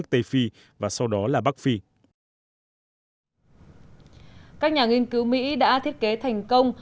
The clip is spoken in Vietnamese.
các nhà nghiên cứu mỹ đã thiết kế thành công